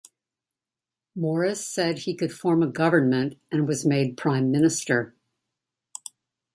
Morris said he could form a government and was made Prime Minister.